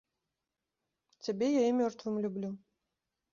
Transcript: Цябе я і мёртвым люблю!